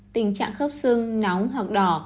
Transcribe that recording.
tình trạng khớp xưng nóng hoặc đỏ